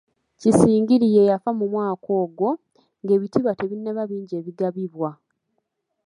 Kisingiri ye yafa mu mwaka ogwo, ng'ebitiibwa tebinnaba bingi ebigabibwa.